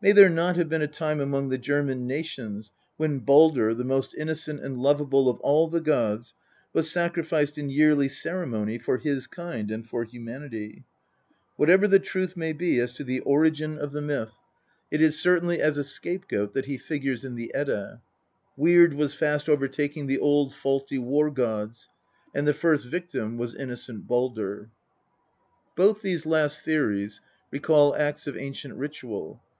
May there not have been a time among the German nations when Baldr, the most innocent and lovable of all the gods, was sacrified in yearly ceremony for his kind and for humanity ? Whatever the truth may be as to the origin of the myth, I I LXVi THE POETIC EDDA. it is certainly as a scapegoat that he figures in the Edda. Weird was fast overtaking the old faulty war gods, and the first victim was innocent Baldr. Both these last theories recall acts of ancient ritual.